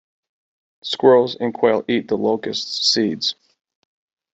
Squirrels and quail eat the locust's seeds.